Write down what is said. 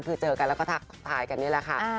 คือเจอกันแล้วก็ทักทายกันนี่แหละค่ะ